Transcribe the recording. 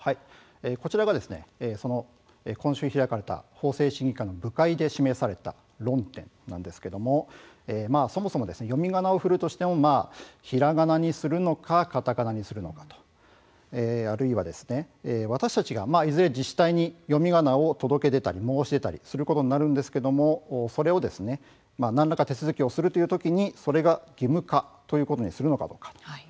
こちらが今週開かれた法制審議会の部会で示された論点なんですけれどもそもそも読みがなを振るにしてもひらがなにするのかカタカナにするのかあるいは私たちが、いずれ自治体に読みがなを届け出たり申し出たりすることになるんですけれども、それを何らか手続きをするというときにそれが義務化ということにするのかどうか。